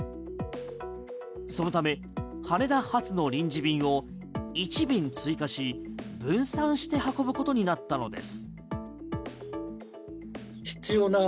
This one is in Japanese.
そのため羽田発の臨時便を１便追加し分散して運ぶことになったのです。